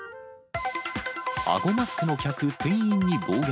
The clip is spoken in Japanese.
あごマスクの客、店員に暴言。